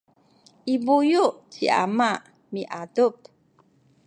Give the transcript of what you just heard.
i buyu’ ci ama miadup